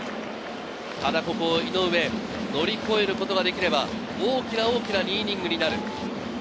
ただ、ここ井上。乗り越えることができれば、大きな２イニングになる。